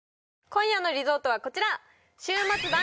今夜のリゾートはこちら！